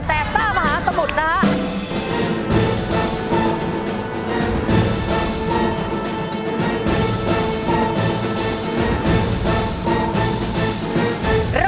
แปบซ่ามหาสมุทรนะครับ